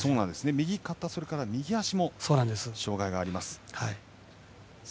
右肩それから右足も障がいがあります。